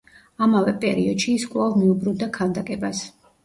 ამავე პერიოდში ის კვლავ მიუბრუნდა ქანდაკებას.